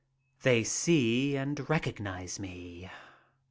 They see and recognize me.